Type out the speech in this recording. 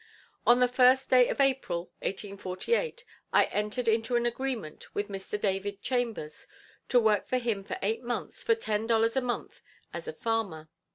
On the 1st day of April, 1848, I entered into an agreement with Mr. David Chambers to work for him for eight months for ten dollars a month as a farmer.